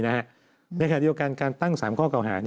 ในรายการนี้กันการตั้ง๓ข้อเกลาหา